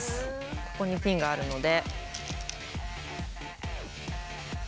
ここにピンがあるので。